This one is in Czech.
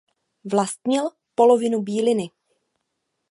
Vlastnil polovinu Bíliny.